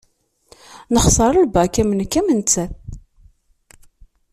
Nexser lbak am nekk am nettat.